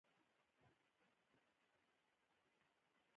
دځنګل حاصلات د افغان ځوانانو لپاره ډېره دلچسپي لري.